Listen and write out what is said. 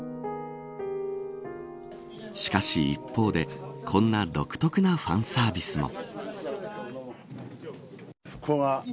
しかし一方でこんな独特なファンサービスも。